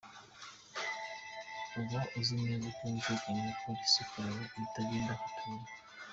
Uba uzi neza ko wumvikanye na Polisi kureba ibitagenda aho utuye.